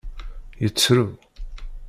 Yettru.